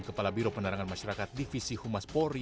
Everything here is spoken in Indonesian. kepala biro penerangan masyarakat divisi humas polri